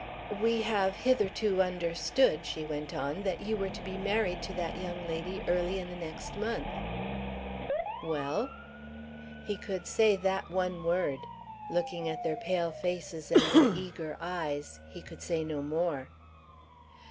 "We have hitherto understood," she went on, "that you were to be married to that young lady early in next month." "Well?" He could say that one word. Looking at their pale faces, and their eager eyes, he could say no more.